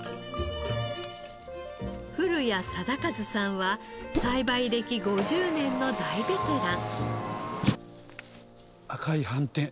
古屋貞一さんは栽培歴５０年の大ベテラン。